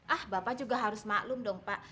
ah bapak juga harus maklum dong pak